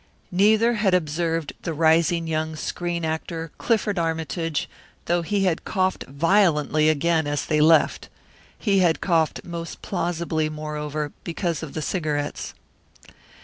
Neither had observed the rising young screen actor, Clifford Armytage, though he had coughed violently again as they left. He had coughed most plausibly, moreover, because of the cigarettes.